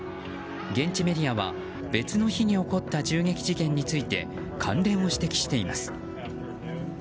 現地メディアは別の日に起こった銃撃事件について関連を指摘しています。